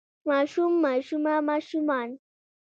ماشوم ماشومه ماشومان